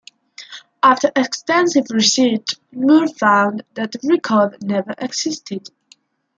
After extensive research, Moore found that the record never existed.